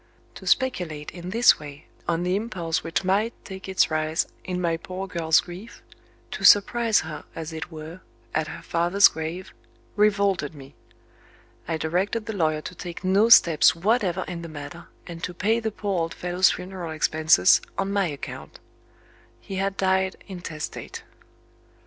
To speculate in this way on the impulse which might take its rise in my poor girl's grief to surprise her, as it were, at her father's grave revolted me. I directed the lawyer to take no steps whatever in the matter, and to pay the poor old fellow's funeral expenses, on my account. He had died intestate.